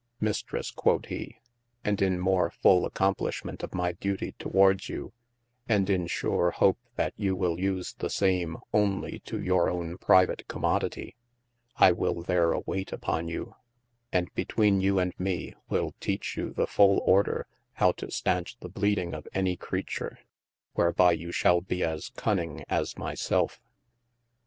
Mistres quod he, and in more ful accomplishment of my duetie towards you, and in sure hope that you will use the same onelie to your owne private commoditie, I will there awaite upon you, and betwene you and me wil teach you the ful order how to steynch the bleeding of any creature, wherby you shal be as dining as my self.